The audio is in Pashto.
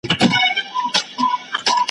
سم په ښار کي وناڅم څوک خو به څه نه وايي `